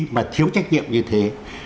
mà thiếu trách nhiệm như thế